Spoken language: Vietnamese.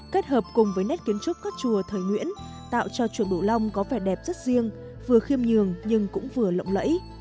kết hợp cùng với nét kiến trúc các chùa thời nguyễn tạo cho chùa bưu long có vẻ đẹp rất riêng vừa khiêm nhường nhưng cũng vừa lộng lẫy